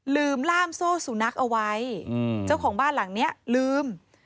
ล่ามโซ่สุนัขเอาไว้เจ้าของบ้านหลังนี้ลืม